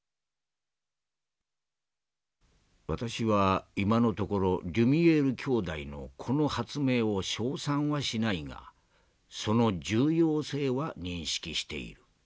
「私は今のところリュミエール兄弟のこの発明を称賛はしないがその重要性は認識している。